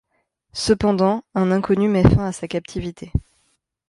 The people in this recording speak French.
Cependant, un inconnu met fin à sa captivité.